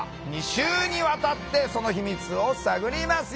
２週にわたってその秘密を探ります。